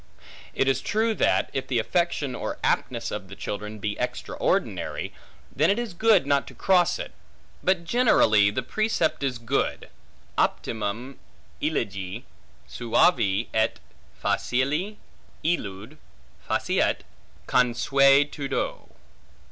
It is true, that if the affection or aptness of the children be extraordinary, then it is good not to cross it; but generally the precept is good, optimum elige, suave et facile illud faciet consuetudo.